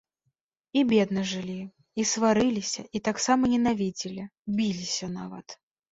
І бедна жылі, і сварыліся, і таксама ненавідзелі, біліся нават.